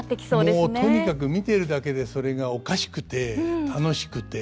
もうとにかく見ているだけでそれがおかしくて楽しくて。